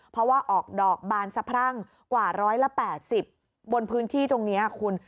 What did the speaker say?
เพราะว่าออกดอกบานสะพรั่งกว่า๑๘๐บนพื้นที่ตรงนี้คุณ